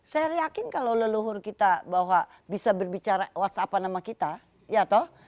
saya yakin kalau leluhur kita bahwa bisa berbicara whatsapp nama kita ya toh